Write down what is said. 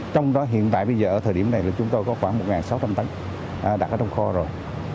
trong đó hiện tại bây giờ ở thời điểm này là chúng tôi có khoảng một sáu trăm linh tấn đã trong kho rồi